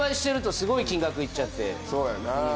そうやな。